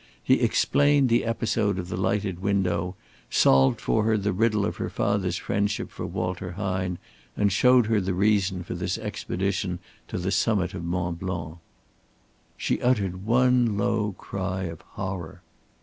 He explained the episode of the lighted window, solved for her the riddle of her father's friendship for Walter Hine, and showed her the reason for this expedition to the summit of Mont Blanc. She uttered one low cry of horror.